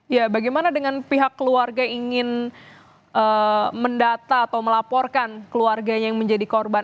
ya bagaimana dengan pihak keluarga ingin mendata atau melaporkan keluarganya yang menjadi korban